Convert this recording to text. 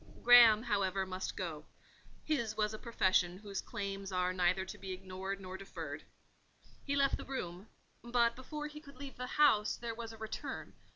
Graham, however, must go: his was a profession whose claims are neither to be ignored nor deferred. He left the room; but before he could leave the house there was a return.